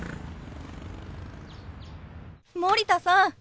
森田さん